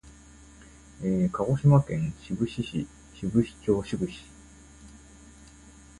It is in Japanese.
鹿児島県志布志市志布志町志布志